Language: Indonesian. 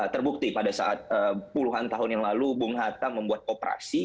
terbukti pada saat puluhan tahun yang lalu bung hatta membuat operasi